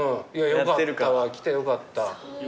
よかった来てよかった。